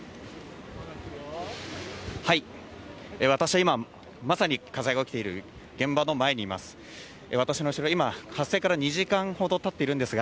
私は今、まさに火災が起きている現場の前にいます。